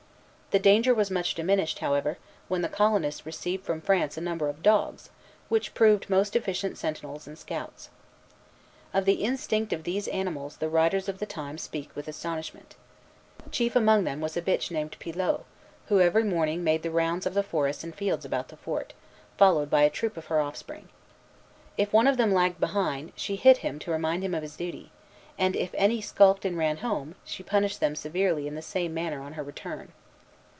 The danger was much diminished, however, when the colonists received from France a number of dogs, which proved most efficient sentinels and scouts. Of the instinct of these animals the writers of the time speak with astonishment. Chief among them was a bitch named Pilot, who every morning made the rounds of the forests and fields about the fort, followed by a troop of her offspring. If one of them lagged behind, she hit him to remind him of his duty; and if any skulked and ran home, she punished them severely in the same manner on her return.